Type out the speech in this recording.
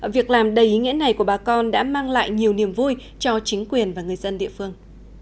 việc làm đầy ý nghĩa này của bà con đã mang lại nhiều niềm vui cho chính quyền và người dân địa phương